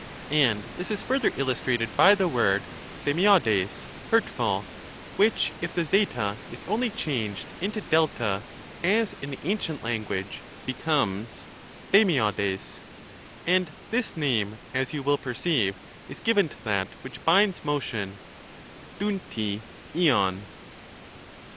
And this is further illustrated by the word i^rjfii <l)6r]q (hurtful), which if the tf is only changed into 6 as in the ancient language, becomes SrjfxioJdTjg ; and this name, as you will perceive, is given to that which binds motion (dovvri lov).